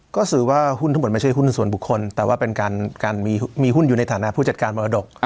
ก็สื่อว่าหุ้นทั้งหมดไม่ใช่หุ้นส่วนบุคคลแต่ว่าเป็นการมีหุ้นอยู่ในฐานะผู้จัดการมรดก